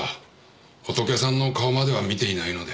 ホトケさんの顔までは見ていないので。